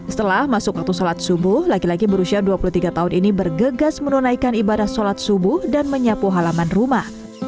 setelah masuk waktu sholat subuh laki laki berusia dua puluh tiga tahun ini bergegas menunaikan ibadah sholat subuh dan menyapu halaman rumah